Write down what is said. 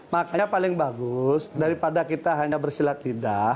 makanya paling bagus daripada kita hanya bersilat tidak